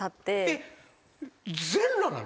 えっ全裸なの？